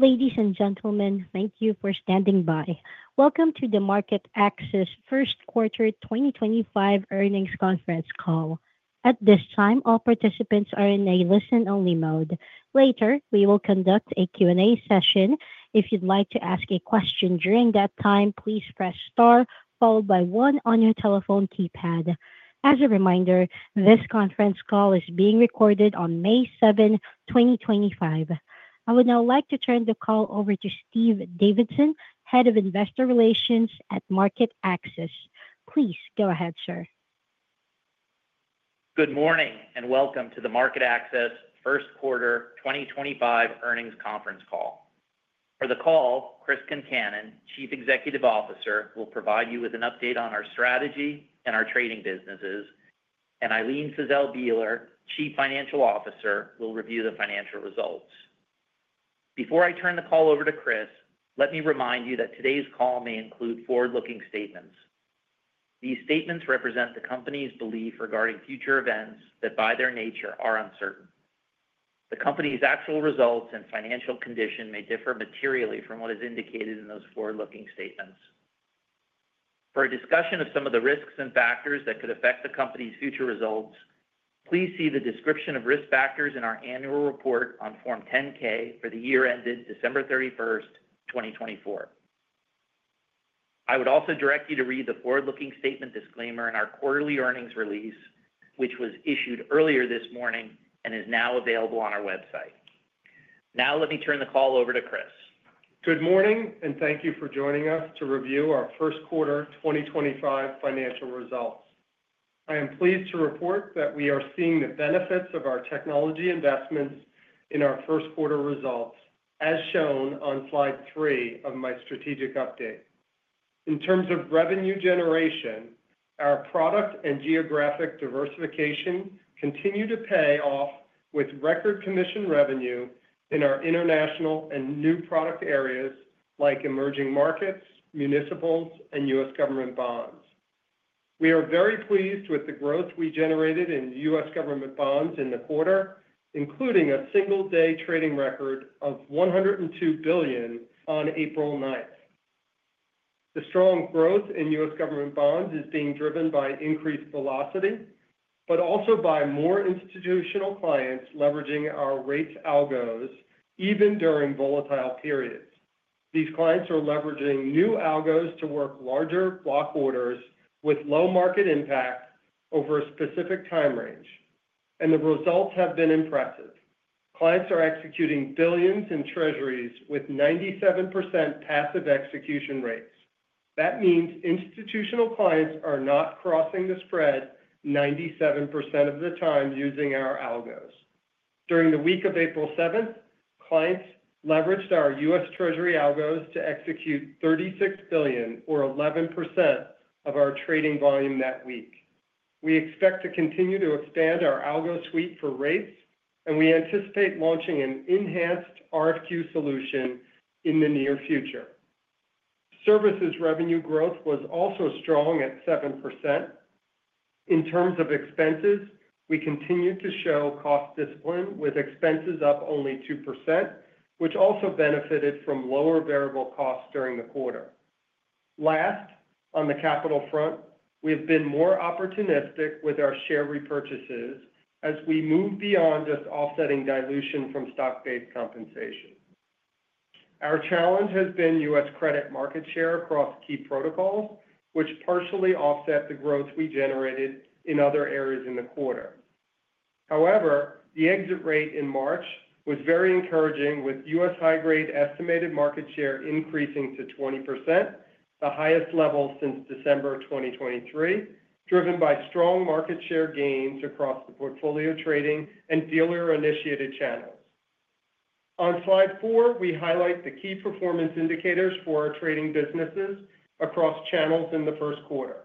Ladies and gentlemen, thank you for standing by. Welcome to the MarketAxess First Quarter 2025 Earnings Conference Call. At this time, all participants are in a listen-only mode. Later, we will conduct a Q&A session. If you'd like to ask a question during that time, please press star followed by one on your telephone keypad. As a reminder, this conference call is being recorded on May 7, 2025. I would now like to turn the call over to Steve Davidson, Head of Investor Relations at MarketAxess. Please go ahead, sir. Good morning and welcome to the MarketAxess First Quarter 2025 Earnings Conference Call. For the call, Chris Concannon, Chief Executive Officer, will provide you with an update on our strategy and our trading businesses, and Ilene Fiszel Bieler, Chief Financial Officer, will review the financial results. Before I turn the call over to Chris, let me remind you that today's call may include forward-looking statements. These statements represent the company's belief regarding future events that by their nature are uncertain. The company's actual results and financial condition may differ materially from what is indicated in those forward-looking statements. For a discussion of some of the risks and factors that could affect the company's future results, please see the description of risk factors in our annual report on Form 10-K for the year ended December 31st, 2024. I would also direct you to read the forward-looking statement disclaimer in our quarterly earnings release, which was issued earlier this morning and is now available on our website. Now, let me turn the call over to Chris. Good morning and thank you for joining us to review our First Quarter 2025 financial results. I am pleased to report that we are seeing the benefits of our technology investments in our First Quarter results, as shown on Slide 3 of my strategic update. In terms of revenue generation, our product and geographic diversification continue to pay off with record commission revenue in our international and new product areas like emerging markets, municipals, and U.S. government bonds. We are very pleased with the growth we generated in U.S. government bonds in the quarter, including a single-day trading record of $102 billion on April 9th. The strong growth in U.S. government bonds is being driven by increased velocity, but also by more institutional clients leveraging our rate Algos even during volatile periods. These clients are leveraging new Algos to work larger block orders with low market impact over a specific time range, and the results have been impressive. Clients are executing billions in treasuries with 97% passive execution rates. That means institutional clients are not crossing the spread 97% of the time using our Algos. During the week of April 7, clients leveraged our U.S. Treasury Algos to execute $36 billion, or 11% of our trading volume that week. We expect to continue to expand our algo suite for rates, and we anticipate launching an enhanced RFQ solution in the near future. Services revenue growth was also strong at 7%. In terms of expenses, we continue to show cost discipline, with expenses up only 2%, which also benefited from lower variable costs during the quarter. Last, on the capital front, we have been more opportunistic with our share repurchases as we move beyond just offsetting dilution from stock-based compensation. Our challenge has been U.S. credit market share across key protocols, which partially offset the growth we generated in other areas in the quarter. However, the exit rate in March was very encouraging, with U.S. high-grade estimated market share increasing to 20%, the highest level since December 2023, driven by strong market share gains across the Portfolio Trading and dealer-initiated channels. On Slide 4, we highlight the key performance indicators for our trading businesses across channels in the first quarter.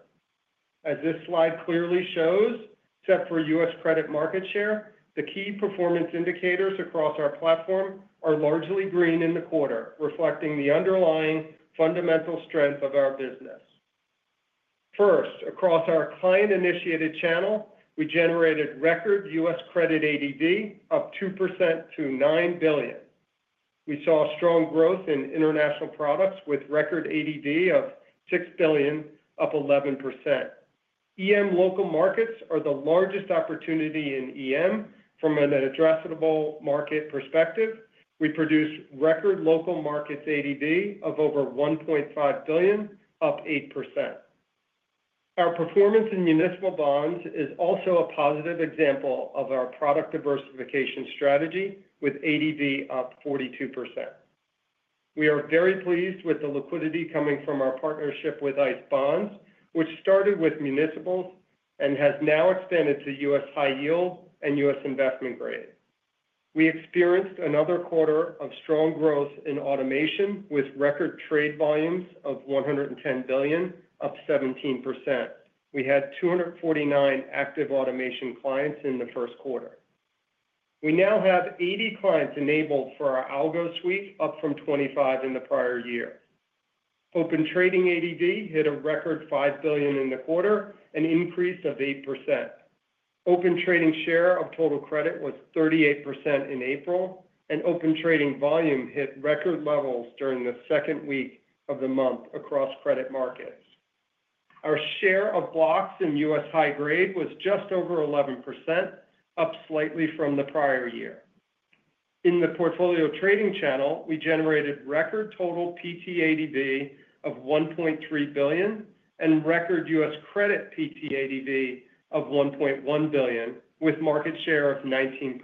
As this slide clearly shows, except for U.S. credit market share, the key performance indicators across our platform are largely green in the quarter, reflecting the underlying fundamental strength of our business. First, across our client-initiated channel, we generated record U.S. Credit ADV of 2% to $9 billion. We saw strong growth in international products with record ADV of $6 billion, up 11%. EM local markets are the largest opportunity in EM from an addressable market perspective. We produced record local markets ADV of over $1.5 billion, up 8%. Our performance in municipal bonds is also a positive example of our product diversification strategy, with ADV up 42%. We are very pleased with the liquidity coming from our partnership with ICE Bonds, which started with municipals and has now expanded to U.S. high yield and U.S. investment grade. We experienced another quarter of strong growth in automation with record trade volumes of $110 billion, up 17%. We had 249 active automation clients in the first quarter. We now have 80 clients enabled for our Algo suite, up from 25 in the prior year. Open Trading ADV hit a record $5 billion in the quarter, an increase of 8%. Open Trading share of total credit was 38% in April, and Open Trading volume hit record levels during the second week of the month across credit markets. Our share of blocks in U.S. high-grade was just over 11%, up slightly from the prior year. In the Portfolio Trading channel, we generated record total PT ADV of $1.3 billion and record U.S. credit PT ADV of $1.1 billion, with market share of 19%.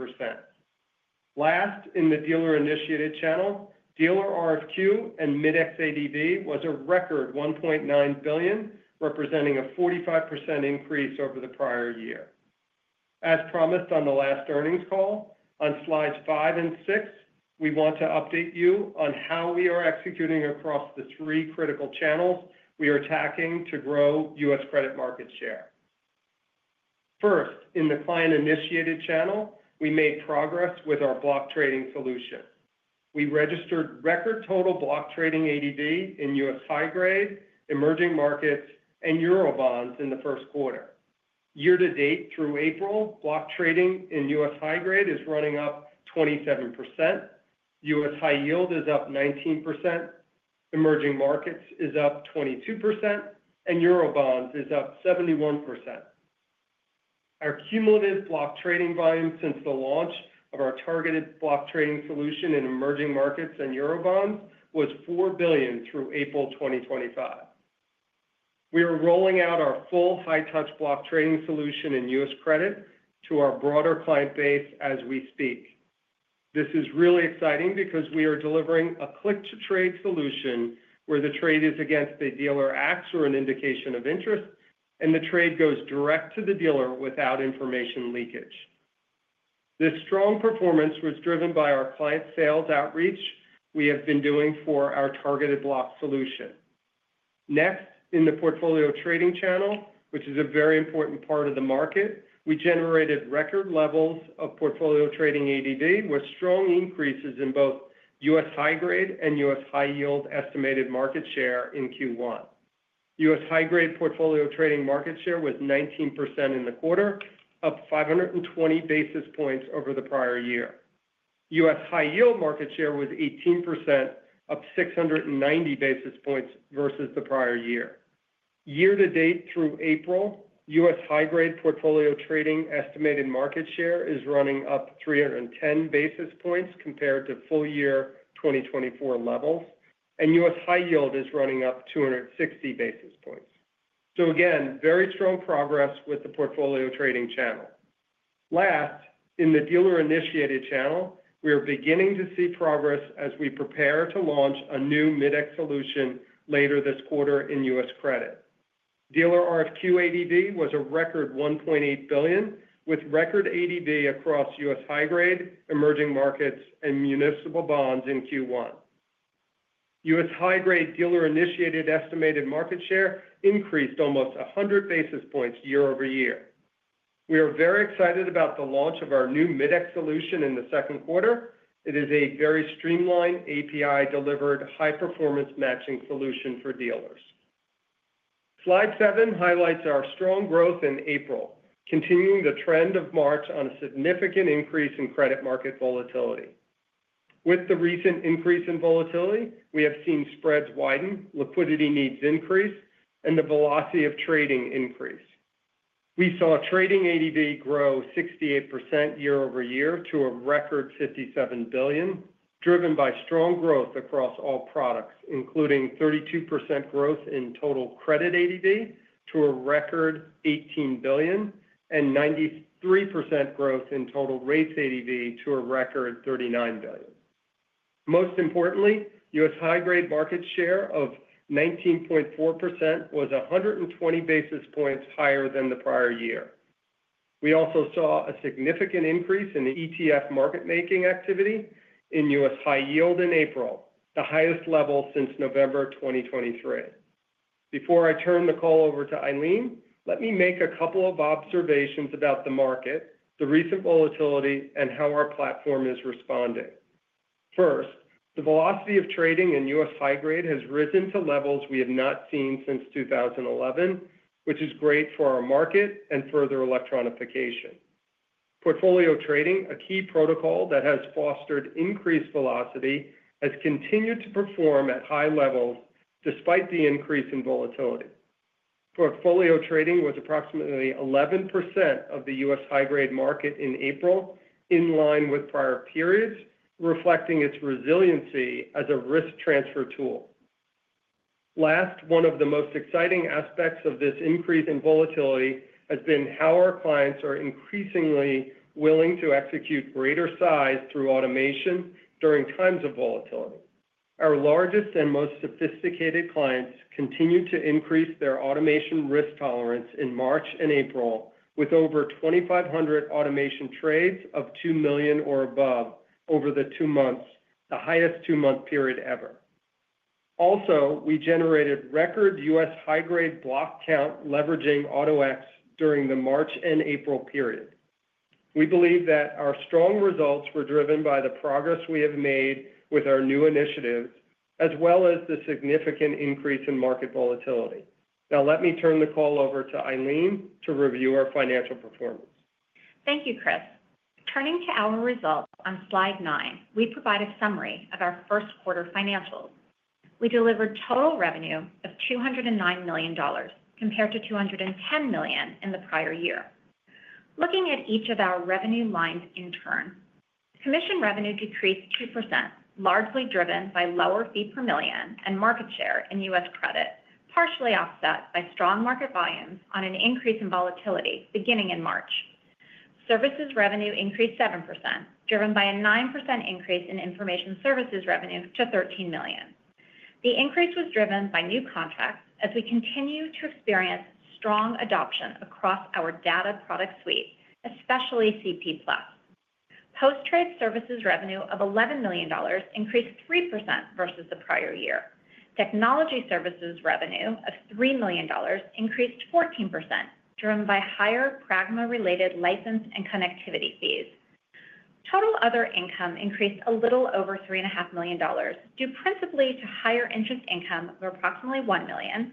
Last, in the dealer-initiated channel, dealer RFQ and MIDEX ADV was a record $1.9 billion, representing a 45% increase over the prior year. As promised on the last earnings call, on Slides 5 and 6, we want to update you on how we are executing across the three critical channels we are tacking to grow U.S. credit market share. First, in the client-initiated channel, we made progress with our block trading solution. We registered record total block trading ADV in U.S. high grade, emerging markets, and euro bonds in the first quarter. Year-to-date through April, block trading in U.S. high grade is running up 27%, U.S. high yield is up 19%, emerging markets is up 22%, and euro bonds is up 71%. Our cumulative block trading volume since the launch of our targeted block trading solution in emerging markets and euro bonds was $4 billion through April 2025. We are rolling out our full high-touch block trading solution in U.S. credit to our broader client base as we speak. This is really exciting because we are delivering a click-to-trade solution where the trade is against a dealer AX or an indication of interest, and the trade goes direct to the dealer without information leakage. This strong performance was driven by our client sales outreach we have been doing for our targeted block solution. Next, in the Portfolio Trading channel, which is a very important part of the market, we generated record levels of Portfolio Trading ADV with strong increases in both U.S. high-grade and U.S. high yield estimated market share in Q1. U.S. high-gradePortfolio Trading market share was 19% in the quarter, up 520 basis points over the prior year. U.S.high-yield market share was 18%, up 690 basis points versus the prior year. Year-to-date through April, U.S. high-grade Portfolio Trading estimated market share is running up 310 basis points compared to full year 2024 levels, and U.S. high yield is running up 260 basis points. Very strong progress with the Portfolio Trading channel. Last, in the dealer-initiated channel, we are beginning to see progress as we prepare to launch a new MIDEX Solution later this quarter in U.S. credit. Dealer RFQ ADV was a record $1.8 billion, with record ADV across U.S. high grade, emerging markets, and municipal bonds in Q1. U.S. high-grade dealer-initiated estimated market share increased almost 100 basis points year over year. We are very excited about the launch of our new MIDEX solution in the second quarter. It is a very streamlined, API-delivered, high-performance matching solution for dealers. Slide 7 highlights our strong growth in April, continuing the trend of March on a significant increase in credit market volatility. With the recent increase in volatility, we have seen spreads widen, liquidity needs increase, and the velocity of trading increase. We saw trading ADV grow 68% year over year to a record $57 billion, driven by strong growth across all products, including 32% growth in total credit ADV to a record $18 billion and 93% growth in total rates ADV to a record $39 billion. Most importantly, U.S. high grade market share of 19.4% was 120 basis points higher than the prior year. We also saw a significant increase in ETF market-making activity in U.S. high yield in April, the highest level since November 2023. Before I turn the call over to Ilene, let me make a couple of observations about the market, the recent volatility, and how our platform is responding. First, the velocity of trading in U.S. high grade has risen to levels we have not seen since 2011, which is great for our market and further electronification. Portfolio Trading, a key protocol that has fostered increased velocity, has continued to perform at high levels despite the increase in volatility. Portfolio Trading was approximately 11% of the U.S. high-grade market in April, in line with prior periods, reflecting its resiliency as a risk transfer tool. Last, one of the most exciting aspects of this increase in volatility has been how our clients are increasingly willing to execute greater size through automation during times of volatility. Our largest and most sophisticated clients continue to increase their automation risk tolerance in March and April, with over 2,500 automation trades of $2 million or above over the two months, the highest two-month period ever. Also, we generated record U.S. high grade block count leveraging AutoX during the March and April period. We believe that our strong results were driven by the progress we have made with our new initiatives, as well as the significant increase in market volatility. Now, let me turn the call over to Ilene to review our financial performance. Thank you, Chris. Turning to our results on Slide 9, we provide a summary of our first quarter financials. We delivered total revenue of $209 million compared to $210 million in the prior year. Looking at each of our revenue lines in turn, commission revenue decreased 2%, largely driven by lower fee per million and market share in U.S. credit, partially offset by strong market volumes on an increase in volatility beginning in March. Services revenue increased 7%, driven by a 9% increase in information services revenue to $13 million. The increase was driven by new contracts as we continue to experience strong adoption across our data product suite, especially CP+. Post-trade services revenue of $11 million increased 3% versus the prior year. Technology services revenue of $3 million increased 14%, driven by higher Pragma-related license and connectivity fees. Total other income increased a little over $3.5 million due principally to higher interest income of approximately $1 million,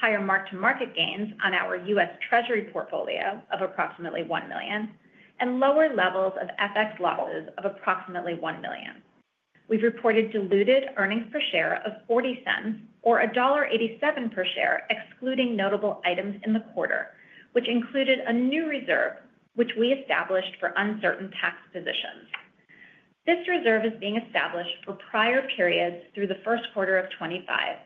higher mark-to-market gains on our U.S. Treasury portfolio of approximately $1 million, and lower levels of FX losses of approximately $1 million. We've reported diluted earnings per share of $40, or $87 per share excluding notable items in the quarter, which included a new reserve, which we established for uncertain tax positions. This reserve is being established for prior periods through the first quarter of 2025,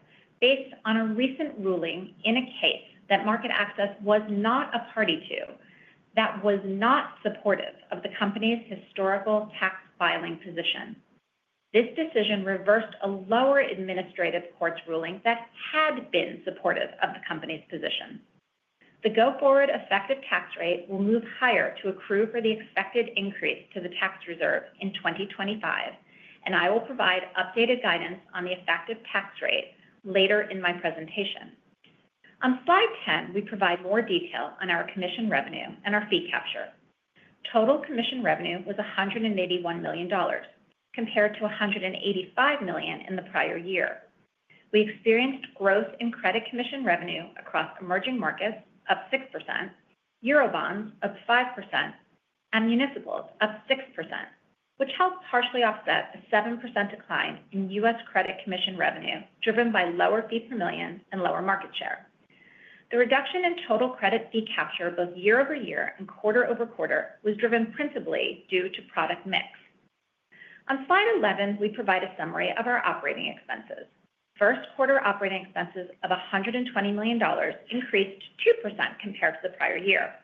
based on a recent ruling in a case that MarketAxess was not a party to that was not supportive of the company's historical tax filing position. This decision reversed a lower administrative court's ruling that had been supportive of the company's position. The go-forward effective tax rate will move higher to accrue for the expected increase to the tax reserve in 2025, and I will provide updated guidance on the effective tax rate later in my presentation. On Slide 10, we provide more detail on our commission revenue and our fee capture. Total commission revenue was $181 million compared to $185 million in the prior year. We experienced growth in credit commission revenue across emerging markets of 6%, Eurobonds of 5%, and municipals of 6%, which helped partially offset a 7% decline in U.S. credit commission revenue driven by lower fee per million and lower market share. The reduction in total credit fee capture both year over year and quarter over quarter was driven principally due to product mix. On Slide 11, we provide a summary of our operating expenses. First quarter operating expenses of $120 million increased 2% compared to the prior year.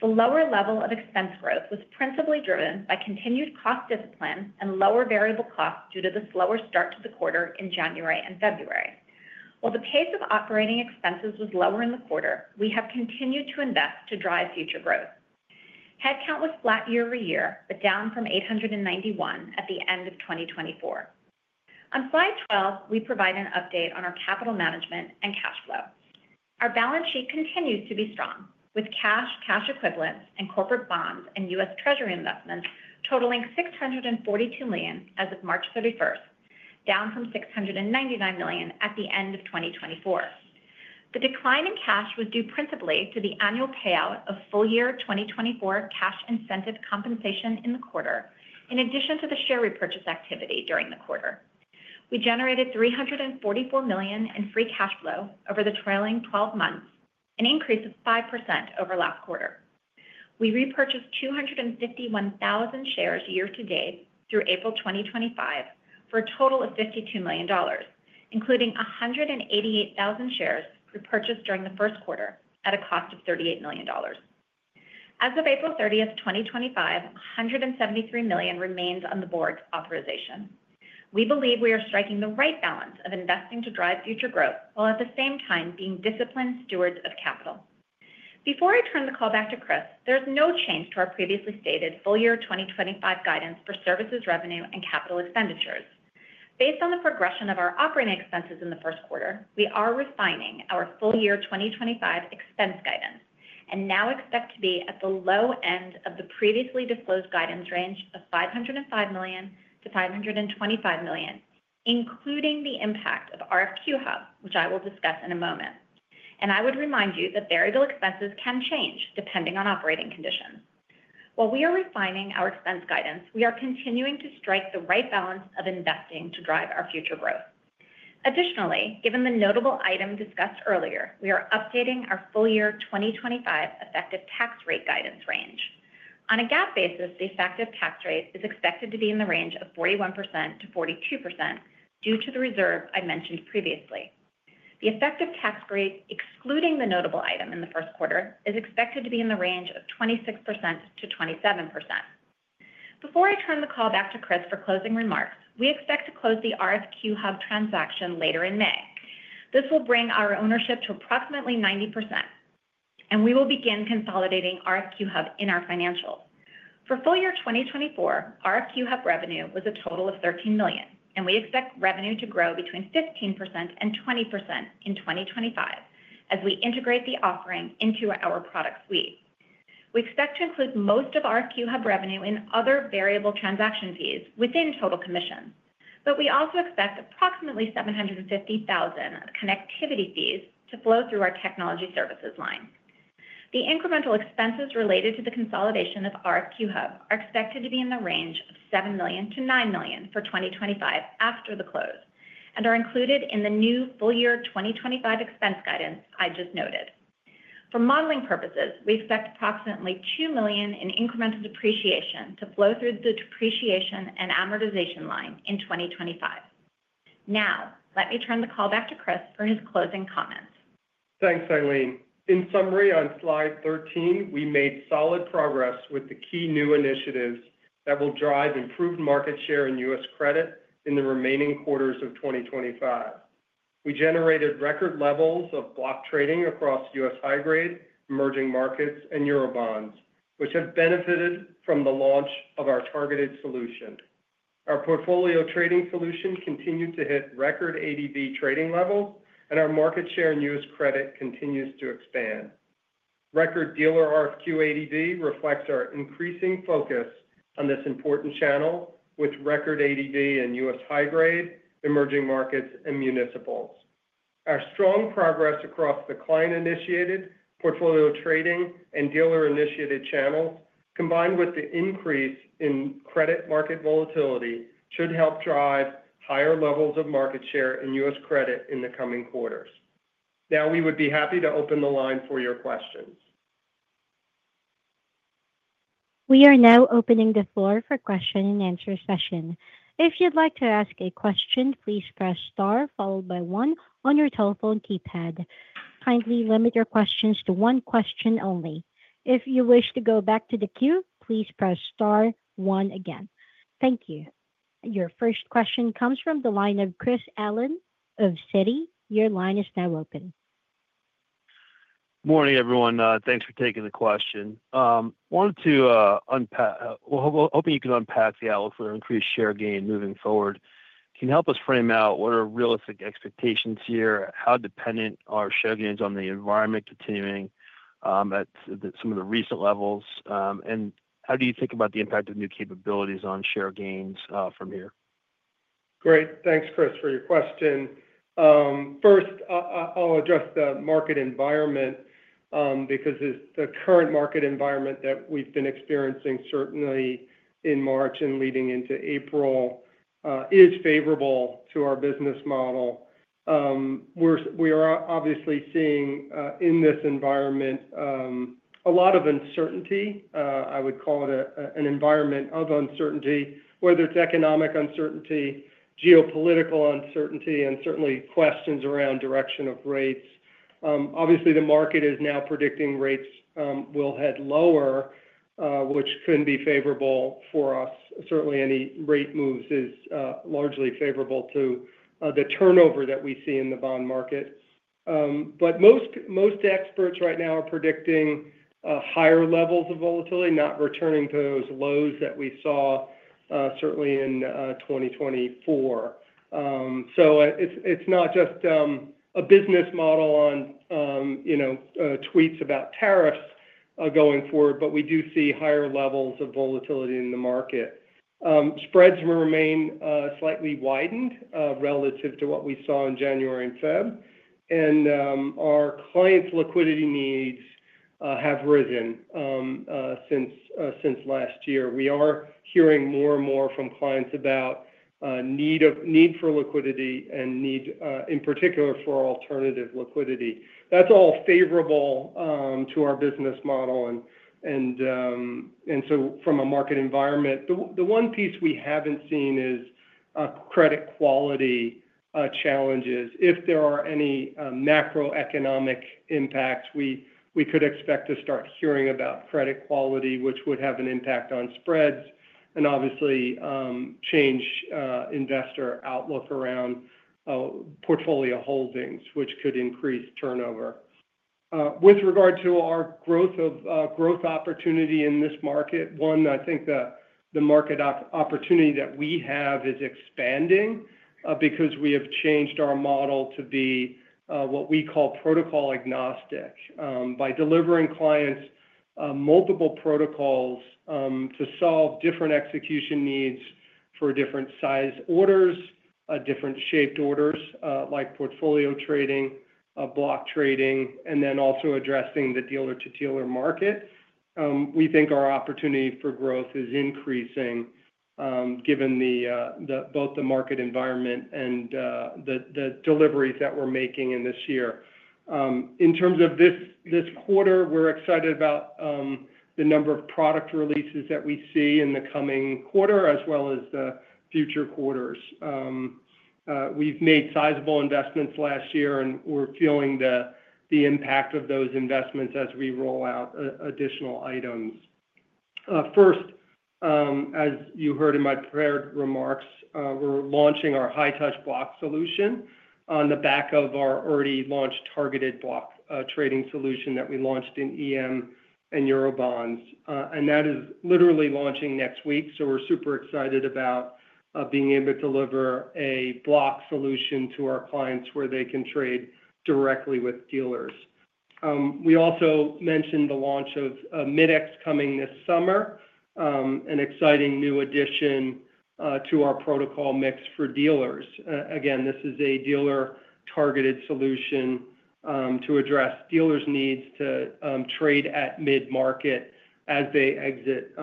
The lower level of expense growth was principally driven by continued cost discipline and lower variable costs due to the slower start to the quarter in January and February. While the pace of operating expenses was lower in the quarter, we have continued to invest to drive future growth. Headcount was flat year over year, but down from 891 at the end of 2024. On Slide 12, we provide an update on our capital management and cash flow. Our balance sheet continues to be strong, with cash, cash equivalents, and corporate bonds and U.S. Treasury investments totaling $642 million as of March 31, down from $699 million at the end of 2024. The decline in cash was due principally to the annual payout of full year 2024 cash incentive compensation in the quarter, in addition to the share repurchase activity during the quarter. We generated $344 million in free cash flow over the trailing 12 months, an increase of 5% over last quarter. We repurchased 251,000 shares year-to-date through April 2025 for a total of $52 million, including 188,000 shares repurchased during the first quarter at a cost of $38 million. As of April 30th, 2025, $173 million remains on the board's authorization. We believe we are striking the right balance of investing to drive future growth while at the same time being disciplined stewards of capital. Before I turn the call back to Chris, there is no change to our previously stated full year 2025 guidance for services revenue and capital expenditures. Based on the progression of our operating expenses in the first quarter, we are refining our full year 2025 expense guidance and now expect to be at the low end of the previously disclosed guidance range of $505-$525 million, including the impact of RFQ Hub, which I will discuss in a moment. I would remind you that variable expenses can change depending on operating conditions. While we are refining our expense guidance, we are continuing to strike the right balance of investing to drive our future growth. Additionally, given the notable item discussed earlier, we are updating our full year 2025 effective tax rate guidance range. On a GAAP basis, the effective tax rate is expected to be in the range of 41%-42% due to the reserve I mentioned previously. The effective tax rate, excluding the notable item in the first quarter, is expected to be in the range of 26%-27%. Before I turn the call back to Chris for closing remarks, we expect to close the RFQ Hub transaction later in May. This will bring our ownership to approximately 90%, and we will begin consolidating RFQ Hub in our financials. For full year 2024, RFQ Hub revenue was a total of $13 million, and we expect revenue to grow between 15% and 20% in 2025 as we integrate the offering into our product suite. We expect to include most of RFQ Hub revenue in other variable transaction fees within total commissions, but we also expect approximately $730,000 in connectivity fees to flow through our technology services line. The incremental expenses related to the consolidation of RFQ Hub are expected to be in the range of $7 -$9 million for 2025 after the close and are included in the new full year 2025 expense guidance I just noted. For modeling purposes, we expect approximately $2 million in incremental depreciation to flow through the depreciation and amortization line in 2025. Now, let me turn the call back to Chris for his closing comments. Thanks, Ilene. In summary, on Slide 13, we made solid progress with the key new initiatives that will drive improved market share in U.S. credit in the remaining quarters of 2025. We generated record levels of block trading across U.S. high-grade, emerging markets, and Eurobonds, which have benefited from the launch of our targeted solution. Our Portfolio Trading solution continued to hit record ADV trading levels, and our market share in U.S. credit continues to expand. Record dealer RFQ ADV reflects our increasing focus on this important channel with record ADV in U.S. high-grade, emerging markets, and municipals. Our strong progress across the client-initiated, portfolio-trading, and dealer-initiated channels, combined with the increase in credit market volatility, should help drive higher levels of market share in U.S. credit in the coming quarters. Now, we would be happy to open the line for your questions. We are now opening the floor for Q&A session. If you'd like to ask a question, please press star followed by one on your telephone keypad. Kindly limit your questions to one question only. If you wish to go back to the queue, please press star one again. Thank you. Your first question comes from the line of Chris Allen of Citi. Your line is now open. Morning, everyone. Thanks for taking the question. I wanted to unpack, hoping you could unpack the outlook for increased share gain moving forward. Can you help us frame out what are realistic expectations here, how dependent are share gains on the environment continuing at some of the recent levels? and how do you think about the impact of new capabilities on share gains from here? Great. Thanks, Chris, for your question. First, I'll address the market environment because the current market environment that we've been experiencing, certainly in March and leading into April, is favorable to our business model. We are obviously seeing in this environment a lot of uncertainty. I would call it an environment of uncertainty, whether it's economic uncertainty, geopolitical uncertainty, and certainly questions around direction of rates. Obviously, the market is now predicting rates will head lower, which could be favorable for us. Certainly, any rate moves is largely favorable to the turnover that we see in the bond market. Most experts right now are predicting higher levels of volatility, not returning to those lows that we saw certainly in 2024. It's not just a business model on tweets about tariffs going forward, but we do see higher levels of volatility in the market. Spreads remain slightly widened relative to what we saw in January and February, and our clients' liquidity needs have risen since last year. We are hearing more and more from clients about need for liquidity and need, in particular, for alternative liquidity. That is all favorable to our business model. From a market environment, the one piece we have not seen is credit quality challenges. If there are any macroeconomic impacts, we could expect to start hearing about credit quality, which would have an impact on spreads and obviously change investor outlook around portfolio holdings, which could increase turnover. With regard to our growth opportunity in this market, one, I think the market opportunity that we have is expanding because we have changed our model to be what we call protocol agnostic by delivering clients multiple protocols to solve different execution needs for different sized orders, different shaped orders like Portfolio Trading, block trading, and then also addressing the dealer-to-dealer market. We think our opportunity for growth is increasing given both the market environment and the deliveries that we're making in this year. In terms of this quarter, we're excited about the number of product releases that we see in the coming quarter as well as the future quarters. We've made sizable investments last year, and we're feeling the impact of those investments as we roll out additional items. First, as you heard in my prepared remarks, we're launching our High-Touch Block Trading Solution on the back of our already launched Targeted Block Trading Solution that we launched in emerging markets and euro bonds. That is literally launching next week. We are super excited about being able to deliver a block solution to our clients where they can trade directly with dealers. We also mentioned the launch of MIDEX coming this summer, an exciting new addition to our protocol mix for dealers. This is a dealer-targeted solution to address dealers' needs to trade at mid-market as they exit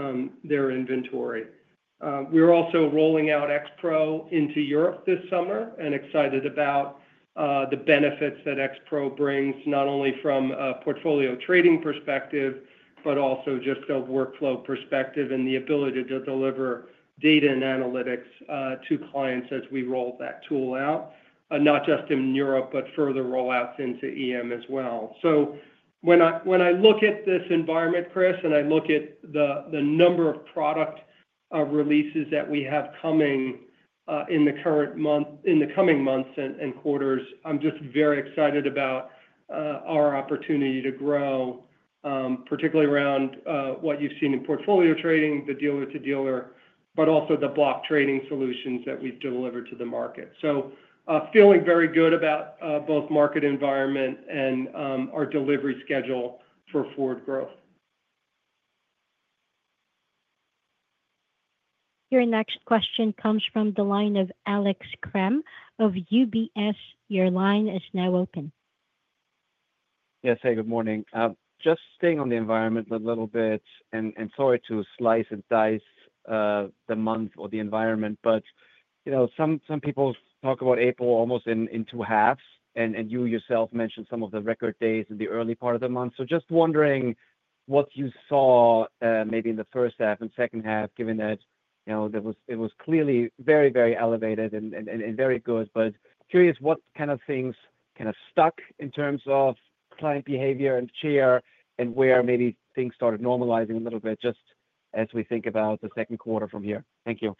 their inventory. We're also rolling out Portfolio Trading into Europe this summer and excited about the benefits that X-Pro brings not only from a Portfolio Trading perspective, but also just a workflow perspective and the ability to deliver data and analytics to clients as we roll that tool out, not just in Europe, but further rollouts into EM as well. When I look at this environment, Chris, and I look at the number of product releases that we have coming in the current month, in the coming months and quarters, I'm just very excited about our opportunity to grow, particularly around what you've seen in Portfolio Trading, the dealer-to-dealer, but also the block trading solutions that we've delivered to the market. Feeling very good about both market environment and our delivery schedule for forward growth. Your next question comes from the line of Alex Kramm of UBS. Your line is now open. Yes. Hey, good morning. Just staying on the environment a little bit, and sorry to slice and dice the month or the environment, but some people talk about April almost in two halves, and you yourself mentioned some of the record days in the early part of the month. Just wondering what you saw maybe in the first half and second half, given that it was clearly very, very elevated and very good, but curious what kind of things kind of stuck in terms of client behavior and share and where maybe things started normalizing a little bit just as we think about the second quarter from here? Thank you.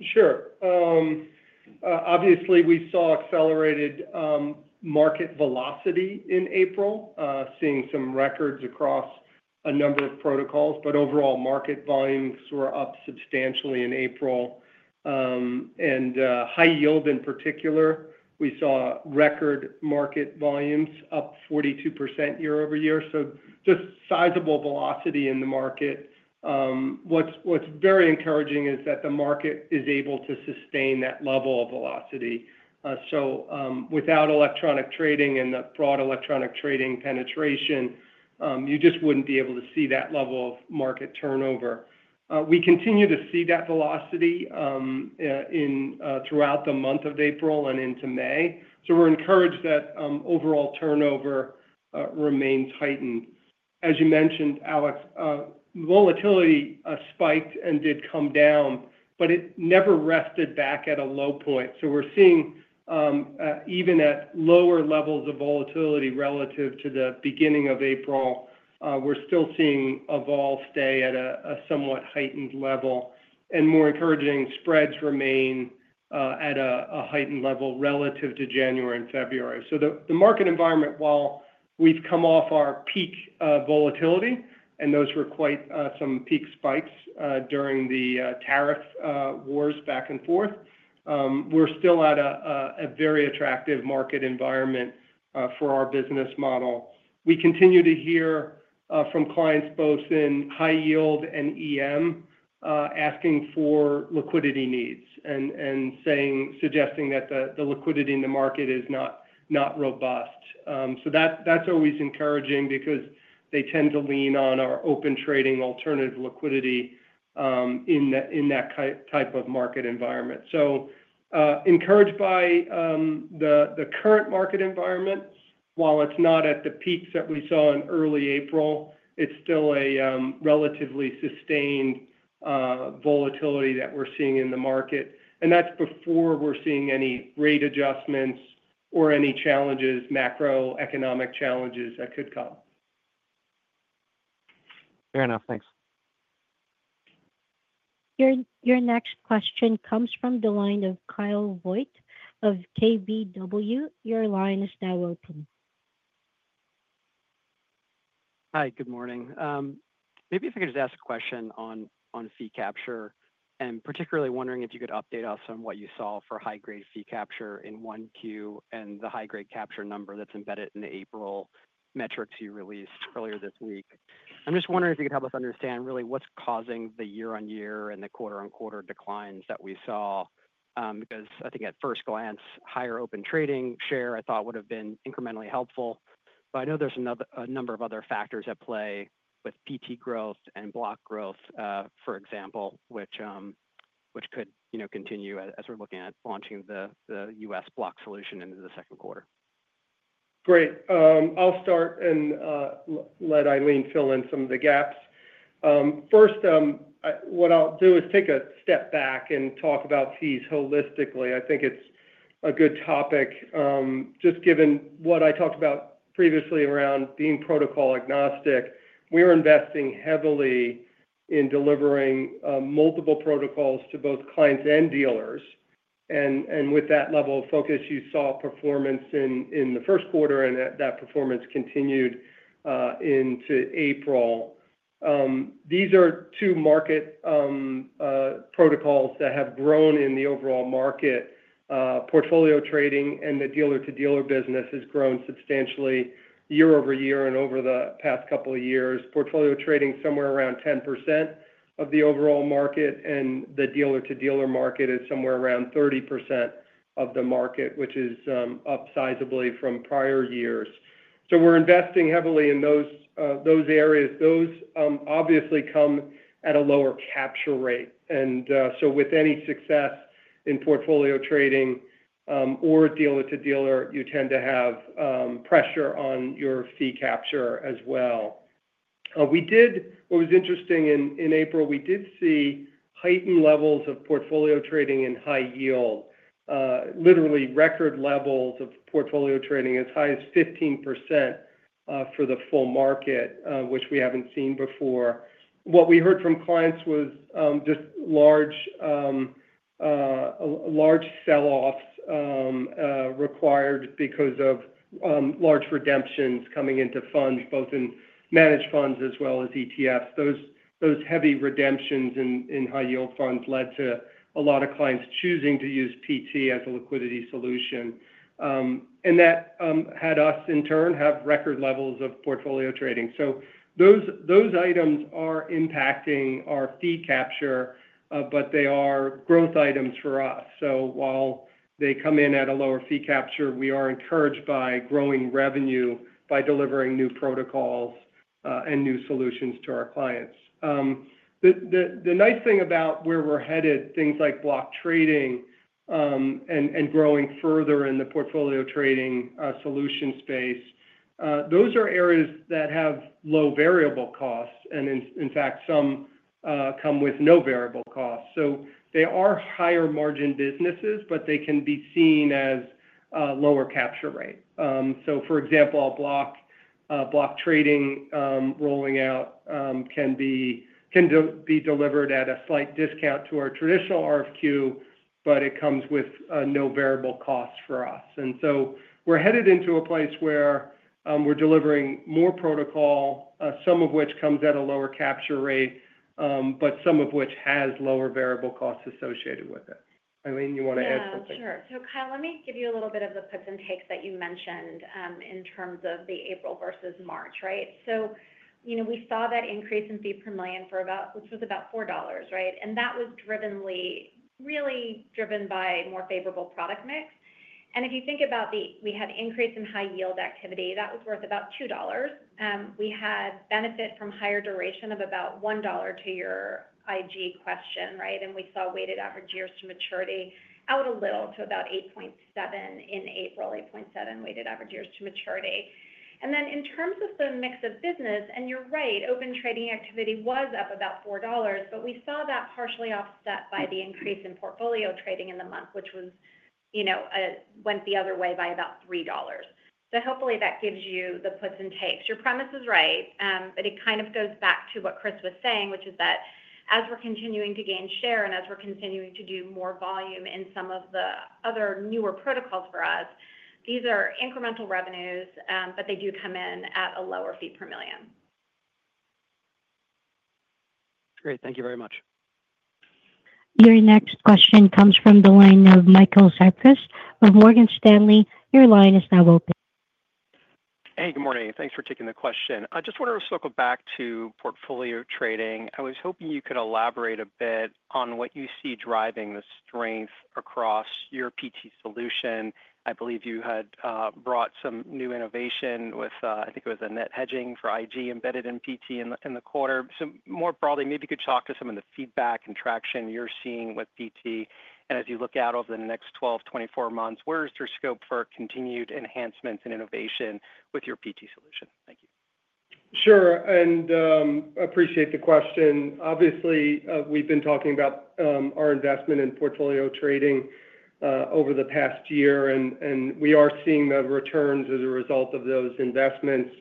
Sure. Obviously, we saw accelerated market velocity in April, seeing some records across a number of protocols, but overall market volumes were up substantially in April. High yield in particular, we saw record market volumes up 42% year-over-year. Just sizable velocity in the market. What's very encouraging is that the market is able to sustain that level of velocity. Without electronic trading and the broad electronic trading penetration, you just would not be able to see that level of market turnover. We continue to see that velocity throughout the month of April and into May. We are encouraged that overall turnover remains heightened. As you mentioned, Alex, volatility spiked and did come down, but it never rested back at a low point. We are seeing even at lower levels of volatility relative to the beginning of April, we are still seeing a vol stay at a somewhat heightened level. More encouraging spreads remain at a heightened level relative to January and February. The market environment, while we have come off our peak volatility, and those were quite some peak spikes during the tariff wars back and forth, is still a very attractive market environment for our business model. We continue to hear from clients both in high yield and EM asking for liquidity needs and suggesting that the liquidity in the market is not robust. That is always encouraging because they tend to lean on our Open Trading alternative liquidity in that type of market environment. Encouraged by the current market environment, while it is not at the peaks that we saw in early April, it is still a relatively sustained volatility that we are seeing in the market. That is before we are seeing any rate adjustments or any challenges, macroeconomic challenges that could come. Fair enough. Thanks. Your next question comes from the line of Kyle Voight of KBW. Your line is now open. Hi, good morning. Maybe if I could just ask a question on fee capture and particularly wondering if you could update us on what you saw for high-grade fee capture in Q1 and the high-grade capture number that's embedded in the April metrics you released earlier this week. I'm just wondering if you could help us understand really what's causing the year-on-year and the quarter-on-quarter declines that we saw because I think at first glance, higher Open Trading share I thought would have been incrementally helpful. I know there's a number of other factors at play with PT growth and block growth, for example, which could continue as we're looking at launching the U.S. block solution into the second quarter? Great. I'll start and let Ilene fill in some of the gaps. First, what I'll do is take a step back and talk about fees holistically. I think it's a good topic. Just given what I talked about previously around being protocol agnostic, we are investing heavily in delivering multiple protocols to both clients and dealers. With that level of focus, you saw performance in the first quarter, and that performance continued into April. These are two market protocols that have grown in the overall market. Portfolio Trading and the dealer-to-dealer business has grown substantially year-over-year and over the past couple of years. Portfolio Trading is somewhere around 10% of the overall market, and the dealer-to-dealer market is somewhere around 30% of the market, which is up sizably from prior years. We are investing heavily in those areas. Those obviously come at a lower capture rate. With any success in Portfolio Trading or dealer-to-dealer, you tend to have pressure on your fee capture as well. What was interesting in April, we did see heightened levels of Portfolio Trading in high yield, literally record levels of Portfolio Trading as high as 15% for the full market, which we have not seen before. What we heard from clients was just large selloffs required because of large redemptions coming into funds, both in managed funds as well as ETFs. Those heavy redemptions in high-yield funds led to a lot of clients choosing to use PT as a liquidity solution. That had us, in turn, have record levels of Portfolio Trading. Those items are impacting our fee capture, but they are growth items for us. While they come in at a lower fee capture, we are encouraged by growing revenue by delivering new protocols and new solutions to our clients. The nice thing about where we're headed, things like block trading and growing further in the Portfolio Trading solution space, those are areas that have low variable costs and, in fact, some come with no variable costs. They are higher margin businesses, but they can be seen as lower capture rate. For example, block trading rolling out can be delivered at a slight discount to our traditional RFQ, but it comes with no variable costs for us. We are headed into a place where we're delivering more protocol, some of which comes at a lower capture rate, but some of which has lower variable costs associated with it. Ilene, you want to add something? Yeah. Sure. Kyle, let me give you a little bit of the puts and takes that you mentioned in terms of the April versus March, right? We saw that increase in fee per million for about, which was about $4, right? That was really driven by more favorable product mix. If you think about it, we had increase in high-yield activity. That was worth about $2. We had benefit from higher duration of about $1 to your IG question, right? We saw weighted average years to maturity out a little to about 8.7 in April, 8.7 weighted average years to maturity. In terms of the mix of business, and you're right, Open Trading activity was up about $4, but we saw that partially offset by the increase in Portfolio Trading in the month, which went the other way by about $3. Hopefully that gives you the puts and takes. Your premise is right, but it kind of goes back to what Chris was saying, which is that as we're continuing to gain share and as we're continuing to do more volume in some of the other newer protocols for us, these are incremental revenues, but they do come in at a lower fee per million. Great. Thank you very much. Your next question comes from the line of Michael Zezas of Morgan Stanley. Your line is now open. Hey, good morning. Thanks for taking the question. I just wanted to circle back to Portfolio Trading. I was hoping you could elaborate a bit on what you see driving the strength across your PT solution. I believe you had brought some new innovation with, I think it was a net hedging for IG embedded in PT in the quarter. More broadly, maybe you could talk to some of the feedback and traction you're seeing with PT. As you look out over the next 12, 24 months, where is your scope for continued enhancements and innovation with your PT solution? Thank you. Sure. I appreciate the question. Obviously, we've been talking about our investment in Portfolio Trading over the past year, and we are seeing the returns as a result of those investments.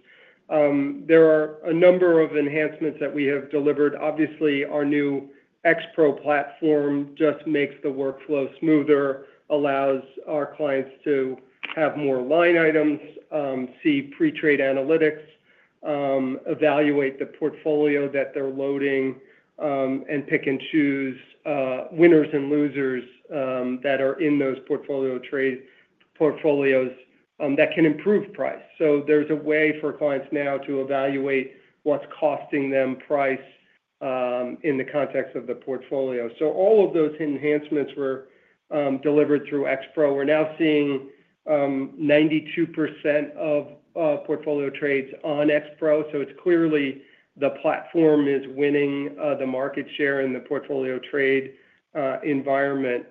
There are a number of enhancements that we have delivered. Obviously, our new X-Pro platform just makes the workflow smoother, allows our clients to have more line items, see pre-trade analytics, evaluate the portfolio that they're loading, and pick and choose winners and losers that are in those portfolio trade portfolios that can improve price. There is a way for clients now to evaluate what's costing them price in the context of the portfolio. All of those enhancements were delivered through X-Pro. We're now seeing 92% of portfolio trades on X-Pro. It is clearly the platform is winning the market share in the portfolio trade environment.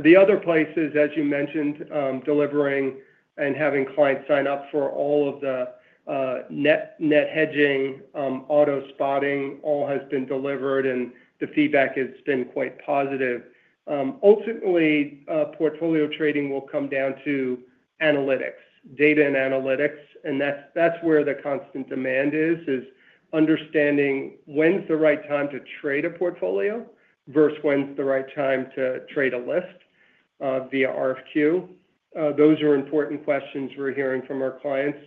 The other places, as you mentioned, delivering and having clients sign up for all of the net hedging, auto spotting, all has been delivered, and the feedback has been quite positive. Ultimately, Portfolio Trading will come down to analytics, data and analytics, and that's where the constant demand is, is understanding when's the right time to trade a portfolio versus when's the right time to trade a list via RFQ. Those are important questions we're hearing from our clients.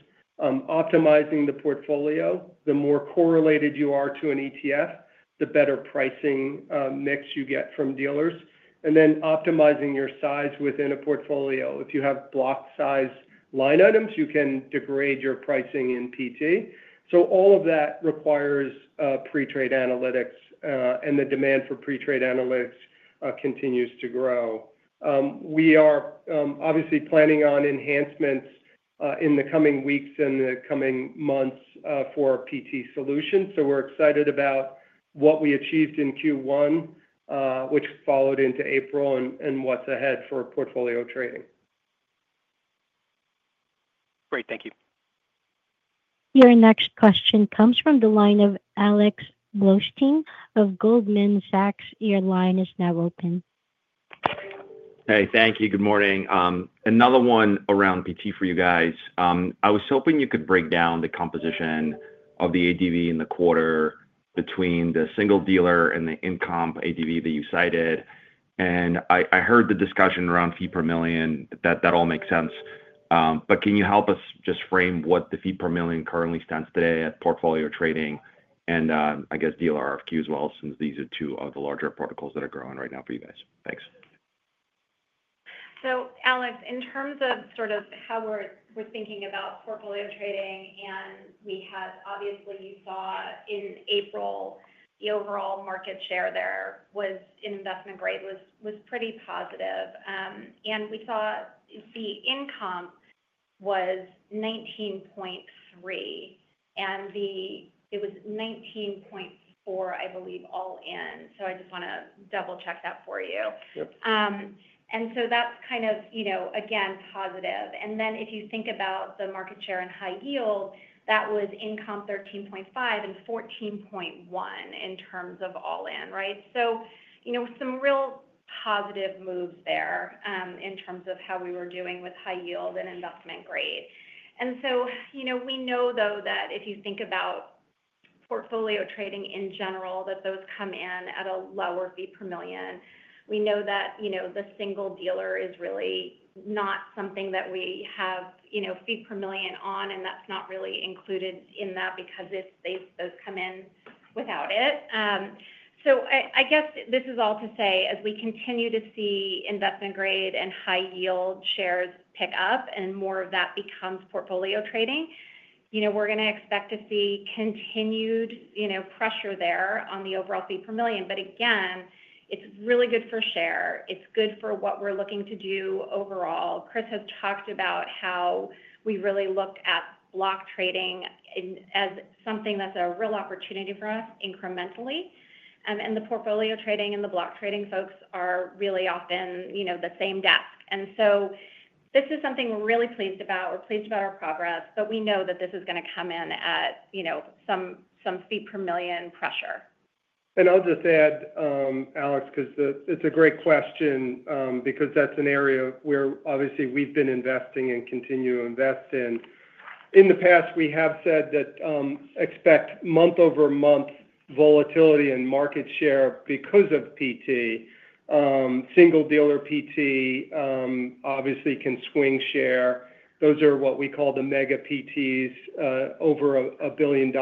Optimizing the portfolio, the more correlated you are to an ETF, the better pricing mix you get from dealers. And then optimizing your size within a portfolio. If you have block size line items, you can degrade your pricing in PT. So all of that requires pre-trade analytics, and the demand for pre-trade analytics continues to grow. We are obviously planning on enhancements in the coming weeks and the coming months for PT solutions. We are excited about what we achieved in Q1, which followed into April, and what is ahead for Portfolio Trading. Great. Thank you. Your next question comes from the line of Alex Blostein of Goldman Sachs. Your line is now open. Hey, thank you. Good morning. Another one around PT for you guys. I was hoping you could break down the composition of the ADV in the quarter between the single dealer and the in-comp ADV that you cited. I heard the discussion around fee per million, that all makes sense. Can you help us just frame what the fee per million currently stands today at Portfolio Trading and, I guess, dealer RFQ as well, since these are two of the larger protocols that are growing right now for you guys? Thanks. Alex, in terms of sort of how we're thinking about Portfolio Trading, and we had obviously you saw in April, the overall market share there was in investment grade was pretty positive. We saw the in-comp was 19.3%, and it was 19.4%, I believe, all in. I just want to double-check that for you. That is kind of, again, positive. If you think about the market share in high yield, that was in-comp 13.5% and 14.1% in terms of all in, right? Some real positive moves there in terms of how we were doing with high yield and investment grade. We know, though, that if you think about Portfolio Trading in general, those come in at a lower fee per million. We know that the single dealer is really not something that we have fee per million on, and that's not really included in that because those come in without it. I guess this is all to say, as we continue to see investment grade and high yield shares pick up and more of that becomes Portfolio Trading, we're going to expect to see continued pressure there on the overall fee per million. Again, it's really good for share. It's good for what we're looking to do overall. Chris has talked about how we really look at block trading as something that's a real opportunity for us incrementally. The Portfolio Trading and the block trading folks are really often the same desk. This is something we're really pleased about. We're pleased about our progress, but we know that this is going to come in at some fee per million pressure. I'll just add, Alex, because it's a great question because that's an area where obviously we've been investing and continue to invest in. In the past, we have said that expect month-over-month volatility in market share because of PT. Single dealer PT obviously can swing share. Those are what we call the mega PTs, over $1 billion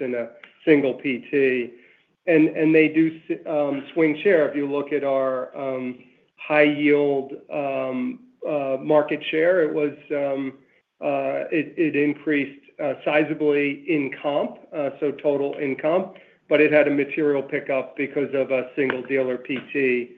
in a single PT. They do swing share. If you look at our high-yield market share, it increased sizably in-comp, so total in-comp, but it had a material pickup because of a single dealer PT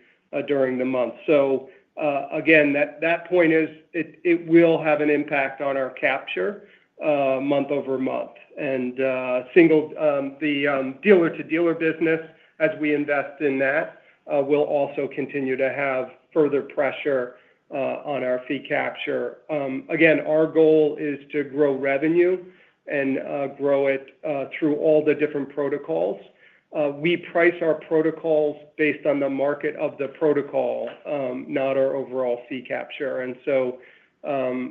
during the month. That point is it will have an impact on our capture month-over-month. The dealer-to-dealer business, as we invest in that, will also continue to have further pressure on our fee capture. Our goal is to grow revenue and grow it through all the different protocols. We price our protocols based on the market of the protocol, not our overall fee capture.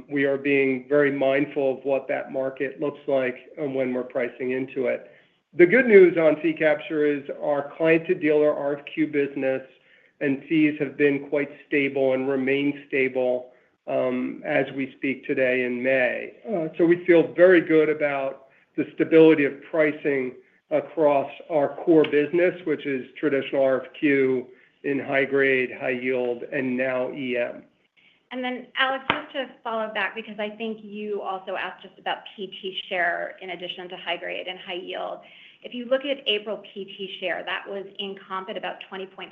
We are being very mindful of what that market looks like and when we're pricing into it. The good news on fee capture is our client-to-dealer RFQ business and fees have been quite stable and remain stable as we speak today in May. We feel very good about the stability of pricing across our core business, which is traditional RFQ in high-grade, high-yield, and now EM. Alex, just to follow back, because I think you also asked just about PT share in addition to high-grade and high-yield. If you look at April PT share, that was in-comp at about 20.5%,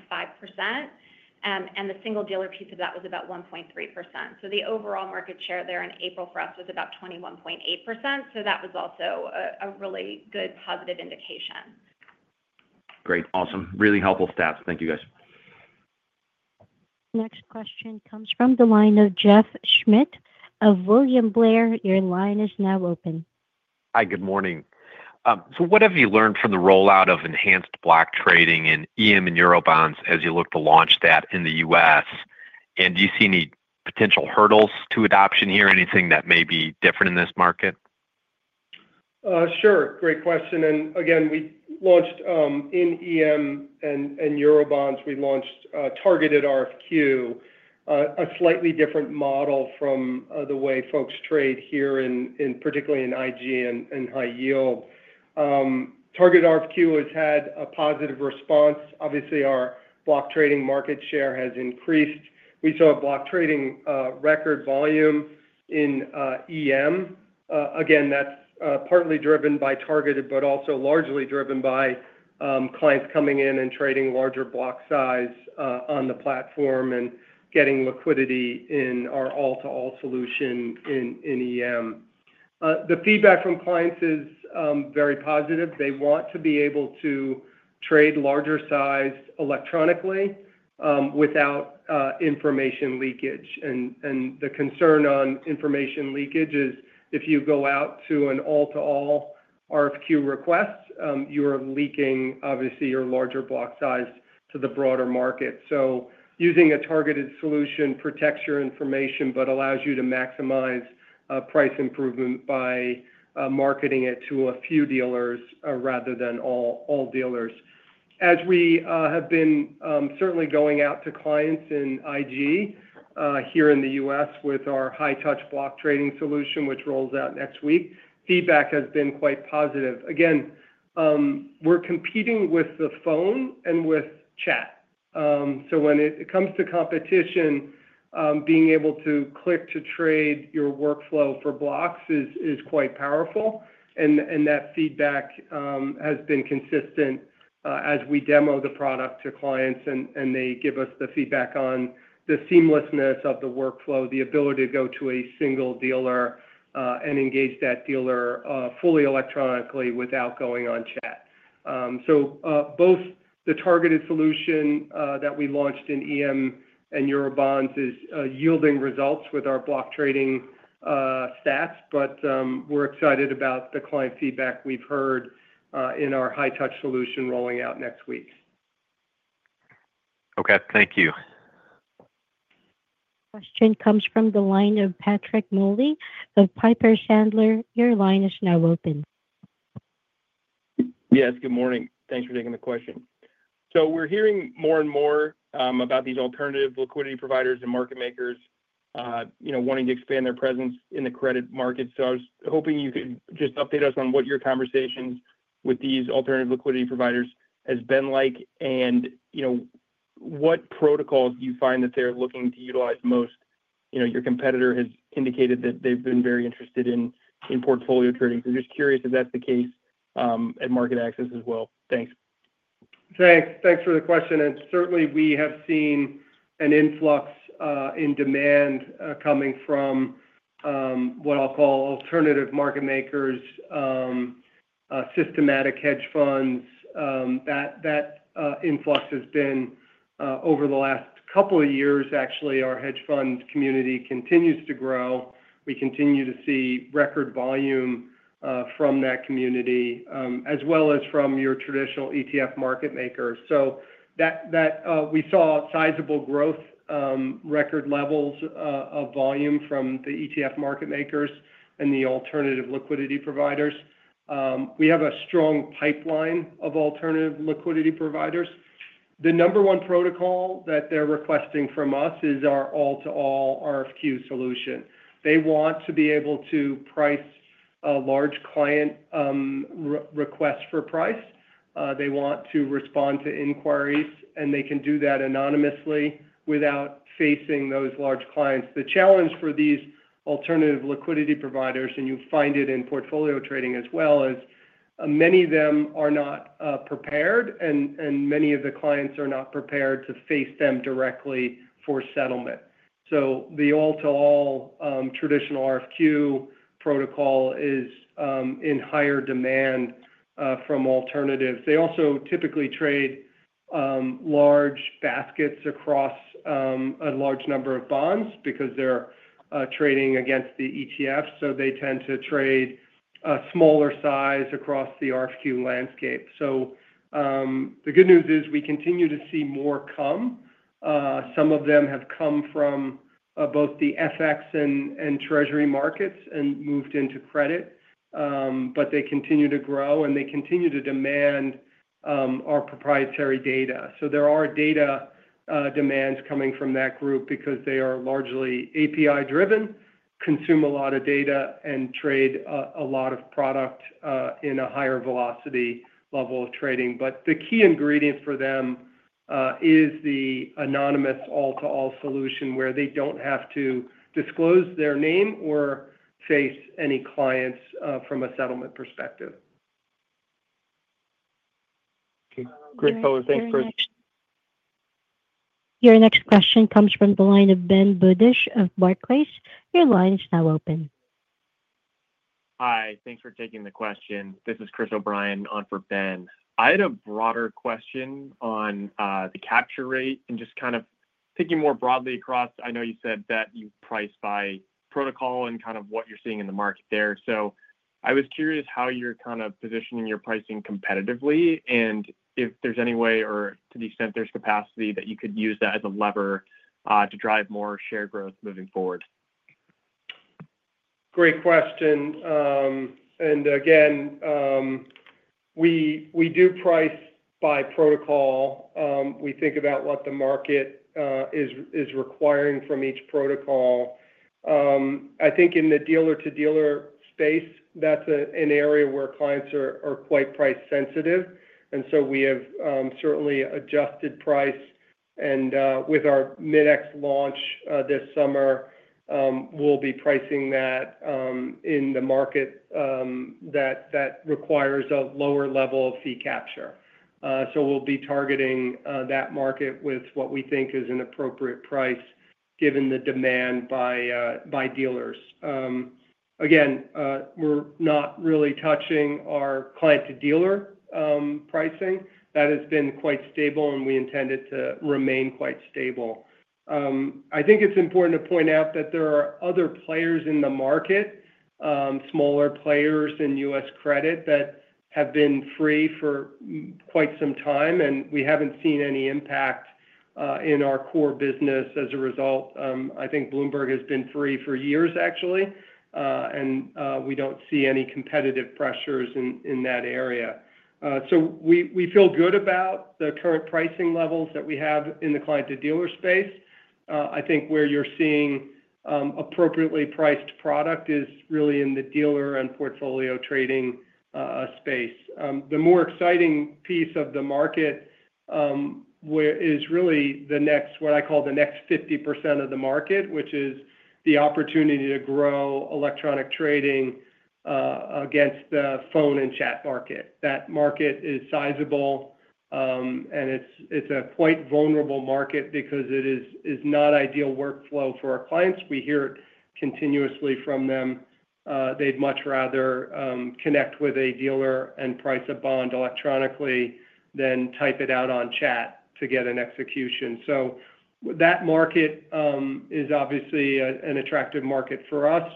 and the single-dealer piece of that was about 1.3%. The overall market share there in April for us was about 21.8%. That was also a really good positive indication. Great. Awesome. Really helpful stats. Thank you, guys. Next question comes from the line of Jeff Schmidt of William Blair. Your line is now open. Hi, good morning. What have you learned from the rollout of enhanced block trading in EM and euro bonds as you look to launch that in the U.S.? Do you see any potential hurdles to adoption here, anything that may be different in this market? Sure. Great question. Again, we launched in EM and Eurobonds, we launched targeted RFQ, a slightly different model from the way folks trade here, particularly in IG and high yield. Targeted RFQ has had a positive response. Obviously, our block trading market share has increased. We saw block trading record volume in EM. Again, that is partly driven by targeted, but also largely driven by clients coming in and trading larger block size on the platform and getting liquidity in our all-to-all solution in EM. The feedback from clients is very positive. They want to be able to trade larger size electronically without information leakage. The concern on information leakage is if you go out to an all-to-all RFQ request, you are leaking, obviously, your larger block size to the broader market. Using a targeted solution protects your information, but allows you to maximize price improvement by marketing it to a few dealers rather than all dealers. As we have been certainly going out to clients in IG here in the U.S. with our high-touch block trading solution, which rolls out next week, feedback has been quite positive. Again, we're competing with the phone and with chat. When it comes to competition, being able to click to trade your workflow for blocks is quite powerful. That feedback has been consistent as we demo the product to clients, and they give us the feedback on the seamlessness of the workflow, the ability to go to a single dealer and engage that dealer fully electronically without going on chat. Both the targeted solution that we launched in EM and Eurobonds is yielding results with our block trading stats, but we're excited about the client feedback we've heard in our high-touch solution rolling out next week. Okay. Thank you. Question comes from the line of Patrick Moley of Piper Sandler. Your line is now open. Yes. Good morning. Thanks for taking the question. We're hearing more and more about these alternative liquidity providers and market makers wanting to expand their presence in the credit market. I was hoping you could just update us on what your conversations with these alternative liquidity providers have been like and what protocols you find that they're looking to utilize most? Your competitor has indicated that they've been very interested in Portfolio Trading. Just curious if that's the case at MarketAxess as well? Thanks. Thanks. Thanks for the question. Certainly, we have seen an influx in demand coming from what I'll call alternative market makers, systematic hedge funds. That influx has been over the last couple of years. Actually, our hedge fund community continues to grow. We continue to see record volume from that community as well as from your traditional ETF market makers. We saw sizable growth, record levels of volume from the ETF market makers and the alternative liquidity providers. We have a strong pipeline of alternative liquidity providers. The number one protocol that they're requesting from us is our all-to-all RFQ solution. They want to be able to price a large client request for price. They want to respond to inquiries, and they can do that anonymously without facing those large clients. The challenge for these alternative liquidity providers, and you find it in Portfolio Trading as well, is many of them are not prepared, and many of the clients are not prepared to face them directly for settlement. The all-to-all traditional RFQ protocol is in higher demand from alternatives. They also typically trade large baskets across a large number of bonds because they're trading against the ETFs. They tend to trade a smaller size across the RFQ landscape. The good news is we continue to see more come. Some of them have come from both the FX and treasury markets and moved into credit, but they continue to grow, and they continue to demand our proprietary data. There are data demands coming from that group because they are largely API-driven, consume a lot of data, and trade a lot of product in a higher velocity level of trading. The key ingredient for them is the anonymous all-to-all solution where they do not have to disclose their name or face any clients from a settlement perspective. Okay. Great, fellows. Thanks, Chris. Your next question comes from the line of Ben Budish of Barclays. Your line is now open. Hi. Thanks for taking the question. This is Chris O'Brien on for Ben. I had a broader question on the capture rate and just kind of thinking more broadly across. I know you said that you price by protocol and kind of what you're seeing in the market there. I was curious how you're kind of positioning your pricing competitively and if there's any way or to the extent there's capacity that you could use that as a lever to drive more share growth moving forward? Great question. Again, we do price by protocol. We think about what the market is requiring from each protocol. I think in the dealer-to-dealer space, that is an area where clients are quite price sensitive. We have certainly adjusted price. With our MIDEX launch this summer, we will be pricing that in the market that requires a lower level of fee capture. We will be targeting that market with what we think is an appropriate price given the demand by dealers. We are not really touching our client-to-dealer pricing. That has been quite stable, and we intend it to remain quite stable. I think it is important to point out that there are other players in the market, smaller players in U.S. credit that have been free for quite some time, and we have not seen any impact in our core business as a result. I think Bloomberg has been free for years, actually, and we do not see any competitive pressures in that area. We feel good about the current pricing levels that we have in the client-to-dealer space. I think where you are seeing appropriately priced product is really in the dealer and Portfolio Trading space. The more exciting piece of the market is really what I call the next 50% of the market, which is the opportunity to grow electronic trading against the phone and chat market. That market is sizable, and it is a quite vulnerable market because it is not ideal workflow for our clients. We hear it continuously from them. They would much rather connect with a dealer and price a bond electronically than type it out on chat to get an execution. That market is obviously an attractive market for us.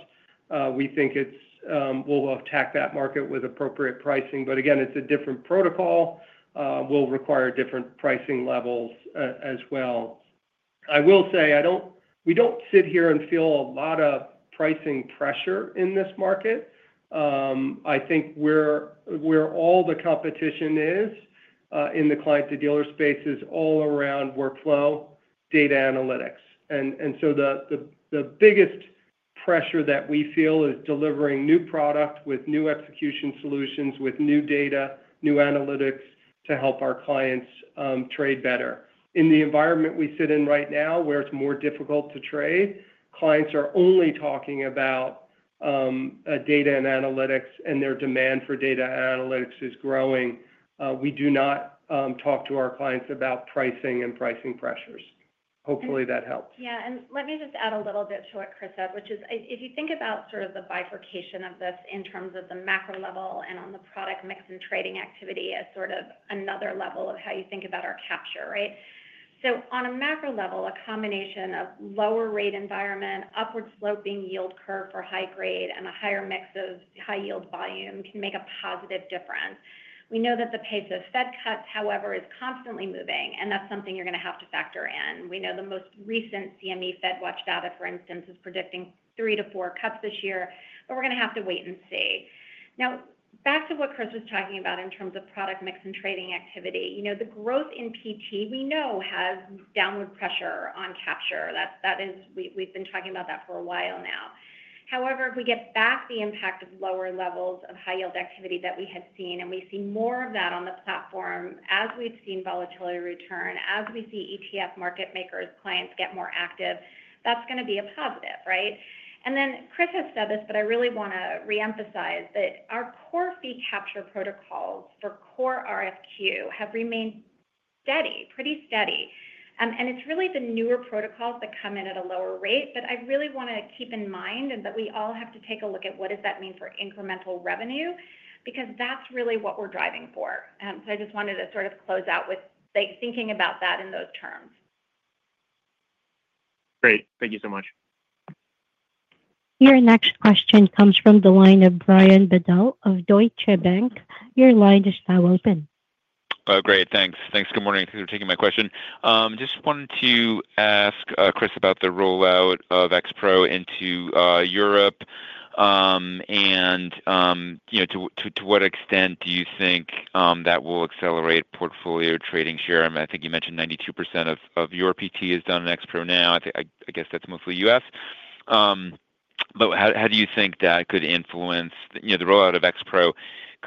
We think we will attack that market with appropriate pricing. Again, it's a different protocol. We'll require different pricing levels as well. I will say we don't sit here and feel a lot of pricing pressure in this market. I think where all the competition is in the client-to-dealer space is all around workflow data analytics. The biggest pressure that we feel is delivering new product with new execution solutions, with new data, new analytics to help our clients trade better. In the environment we sit in right now, where it's more difficult to trade, clients are only talking about data and analytics, and their demand for data and analytics is growing. We do not talk to our clients about pricing and pricing pressures. Hopefully, that helps. Yeah. Let me just add a little bit to what Chris said, which is if you think about sort of the bifurcation of this in terms of the macro level and on the product mix and trading activity as sort of another level of how you think about our capture, right? On a macro level, a combination of lower rate environment, upward sloping yield curve for high grade, and a higher mix of high yield volume can make a positive difference. We know that the pace of Fed cuts, however, is constantly moving, and that's something you're going to have to factor in. We know the most recent CME FedWatch data, for instance, is predicting three to four cuts this year, but we're going to have to wait and see. Now, back to what Chris was talking about in terms of product mix and trading activity. The growth in PT, we know, has downward pressure on capture. We've been talking about that for a while now. However, if we get back the impact of lower levels of high yield activity that we had seen, and we see more of that on the platform as we've seen volatility return, as we see ETF market makers, clients get more active, that's going to be a positive, right? Chris has said this, but I really want to re-emphasize that our core fee capture protocols for core RFQ have remained steady, pretty steady. It's really the newer protocols that come in at a lower rate, but I really want to keep in mind that we all have to take a look at what does that mean for incremental revenue because that's really what we're driving for. I just wanted to sort of close out with thinking about that in those terms. Great. Thank you so much. Your next question comes from the line of Brian Bedell of Deutsche Bank. Your line is now open. Oh, great. Thanks. Thanks. Good morning. Thanks for taking my question. Just wanted to ask Chris about the rollout of X-Pro into Europe and to what extent do you think that will accelerate Portfolio Trading share? I mean, I think you mentioned 92% of your PT is done in X-Pro now. I guess that's mostly U.S. But how do you think that could influence the rollout of X-Pro could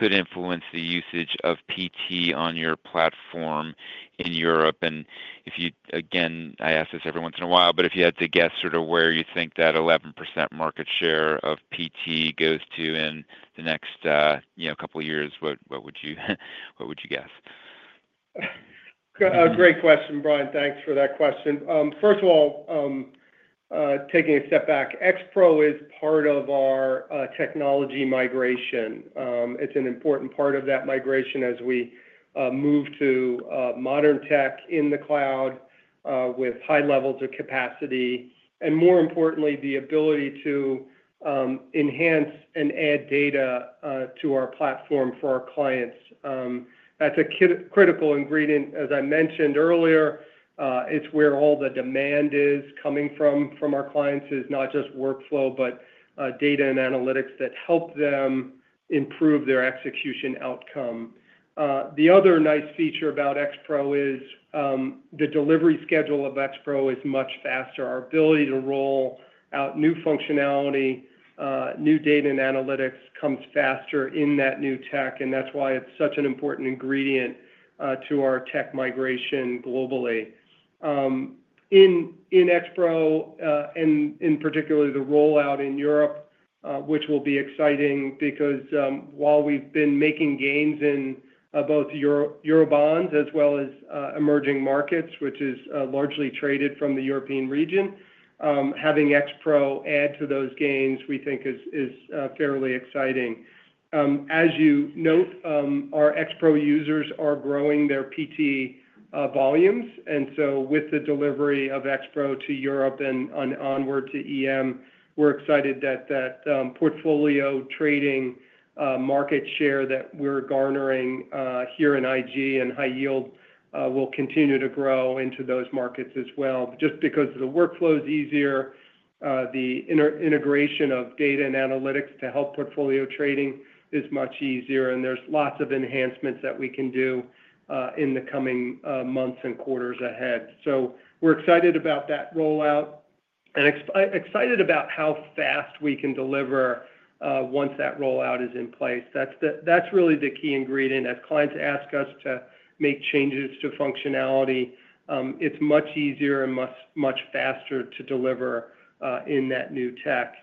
influence the usage of PT on your platform in Europe? I ask this every once in a while, but if you had to guess sort of where you think that 11% market share of PT goes to in the next couple of years, what would you guess? Great question, Brian. Thanks for that question. First of all, taking a step back, X-Pro is part of our technology migration. It's an important part of that migration as we move to modern tech in the cloud with high levels of capacity and, more importantly, the ability to enhance and add data to our platform for our clients. That's a critical ingredient. As I mentioned earlier, it's where all the demand is coming from our clients is not just workflow, but data and analytics that help them improve their execution outcome. The other nice feature about X-Pro is the delivery schedule of X-Pro is much faster. Our ability to roll out new functionality, new data and analytics comes faster in that new tech, and that's why it's such an important ingredient to our tech migration globally. In X-Pro and in particular, the rollout in Europe, which will be exciting because while we've been making gains in both Eurobonds as well as emerging markets, which is largely traded from the European region, having X-Pro add to those gains, we think, is fairly exciting. As you note, our X-Pro users are growing their PT volumes. With the delivery of X-Pro to Europe and onward to EM, we're excited that that Portfolio Trading market share that we're garnering here in IG and high yield will continue to grow into those markets as well. Just because the workflow is easier, the integration of data and analytics to help Portfolio Trading is much easier, and there's lots of enhancements that we can do in the coming months and quarters ahead. We're excited about that rollout and excited about how fast we can deliver once that rollout is in place. That's really the key ingredient. As clients ask us to make changes to functionality, it's much easier and much faster to deliver in that new tech.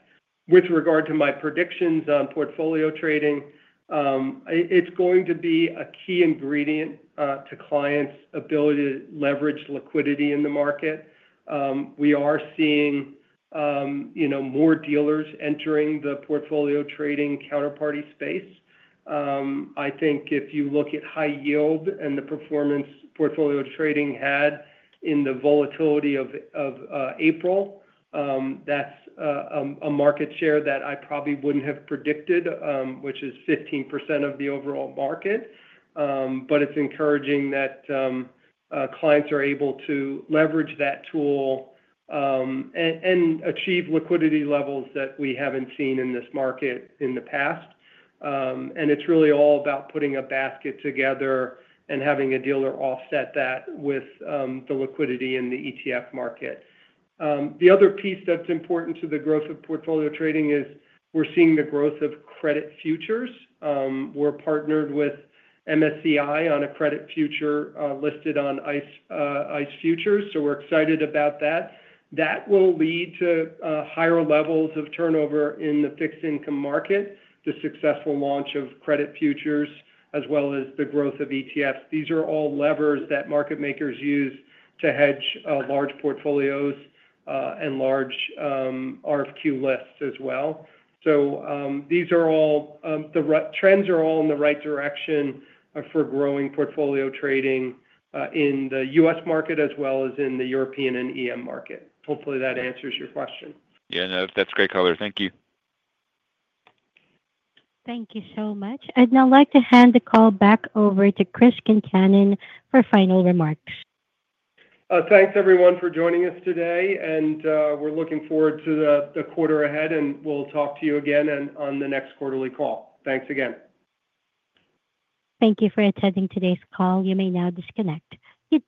With regard to my predictions on Portfolio Trading, it's going to be a key ingredient to clients' ability to leverage liquidity in the market. We are seeing more dealers entering the Portfolio Trading counterparty space. I think if you look at high yield and the performance Portfolio Trading had in the volatility of April, that's a market share that I probably wouldn't have predicted, which is 15% of the overall market. It's encouraging that clients are able to leverage that tool and achieve liquidity levels that we haven't seen in this market in the past. It is really all about putting a basket together and having a dealer offset that with the liquidity in the ETF market. The other piece that is important to the growth of Portfolio Trading is we are seeing the growth of credit futures. We are partnered with MSCI on a credit future listed on ICE Futures, so we are excited about that. That will lead to higher levels of turnover in the fixed income market, the successful launch of credit futures, as well as the growth of ETFs. These are all levers that market makers use to hedge large portfolios and large RFQ lists as well. These are all the trends that are all in the right direction for growing Portfolio Trading in the U.S. market as well as in the European and Emerging Markets. Hopefully, that answers your question. Yeah. No, that's great color. Thank you. Thank you so much. I would like to hand the call back over to Chris Concannon for final remarks. Thanks, everyone, for joining us today. We are looking forward to the quarter ahead, and we will talk to you again on the next quarterly call. Thanks again. Thank you for attending today's call. You may now disconnect. Good.